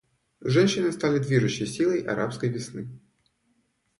Женщины стали движущей силой «арабской весны».